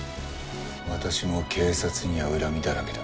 「私も警察には恨みだらけだ」